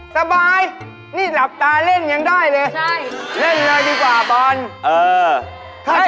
ถ้าหาถือปืนแบบปุ่นไปบวกตึก